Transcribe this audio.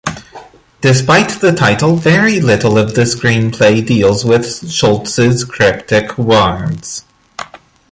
Despite the title, very little of the screenplay deals with Schultz's cryptic words.